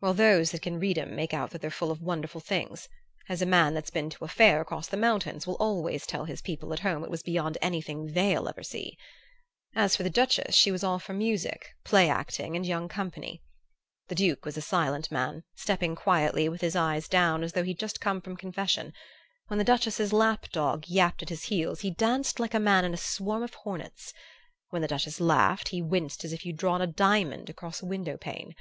Well, those that can read 'em make out that they're full of wonderful things; as a man that's been to a fair across the mountains will always tell his people at home it was beyond anything they'll ever see. As for the Duchess, she was all for music, play acting and young company. The Duke was a silent man, stepping quietly, with his eyes down, as though he'd just come from confession; when the Duchess's lap dog yapped at his heels he danced like a man in a swarm of hornets; when the Duchess laughed he winced as if you'd drawn a diamond across a window pane.